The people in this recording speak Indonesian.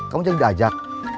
kamu jadi diajak